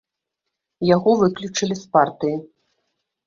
Яго выключылі з партыі.